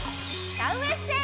シャウエッセン。